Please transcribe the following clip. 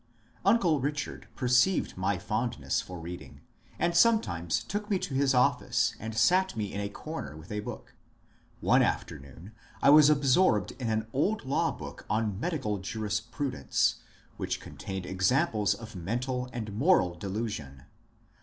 Uncle Bichard perceived my fondness for reading, and sometimes took me to his office and sat me in a comer with a book. One afternoon I was absorbed in an old law book on Medical Jurisprudence, which contained examples of men tal and moral delusion.